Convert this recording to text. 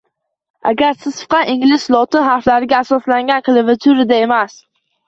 Agar Siz faqat ingliz lotin harflariga asoslangan klaviaturada emas